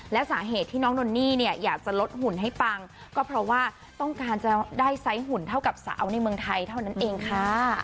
และสาเหตุที่น้องนนนี่เนี่ยอยากจะลดหุ่นให้ปังก็เพราะว่าต้องการจะได้ไซส์หุ่นเท่ากับสาวในเมืองไทยเท่านั้นเองค่ะ